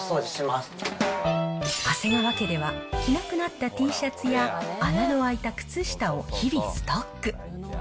長谷川家では着なくなったＴシャツや穴のあいた靴下を日々ストック。